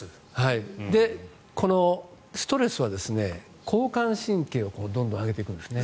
このストレスは交感神経をどんどん上げていくんですね。